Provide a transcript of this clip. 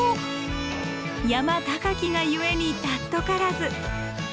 山高きが故に貴からず。